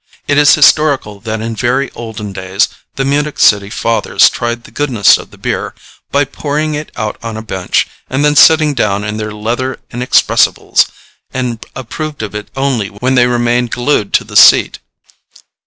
It is historical that in very olden days the Munich city fathers tried the goodness of the beer by pouring it out on a bench and then sitting down in their leather inexpressibles, and approved of it only when they remained glued to the seat.